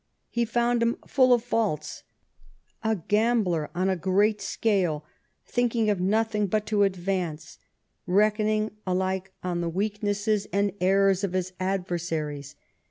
He found hira full of faults ; a gambler on a great scale, thinking of nothing but to advance, reckoning alike on the weaknesses and THE EMBASSY TO PARIS. 23 errors of his adversaries.